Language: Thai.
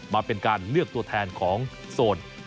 มาเป็นการเลือกตัวแทนของโซน